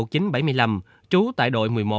trú tại đội một mươi một